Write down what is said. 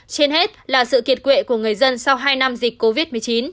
trên hết là sự kiệt quệ của người dân sau hai năm dịch covid một mươi chín